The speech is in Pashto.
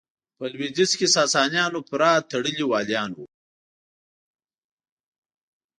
په لوېدیځ کې ساسانیانو پوره تړلي والیان وو.